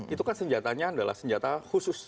itu kan senjatanya adalah senjata khusus